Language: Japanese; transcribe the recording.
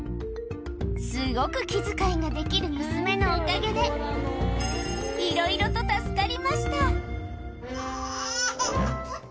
すごく気遣いができる娘のおかげで、いろいろと助かりました。